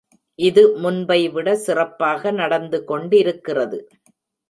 இது முன்பை விட சிறப்பாக நடந்து கொண்டிருக்கிறது.